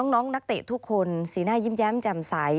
นักเตะทุกคนสีหน้ายิ้มแย้มแจ่มใส